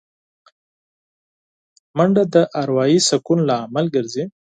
منډه د اروايي سکون لامل ګرځي